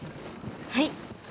はい。